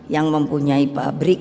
yang mempunyai pabrik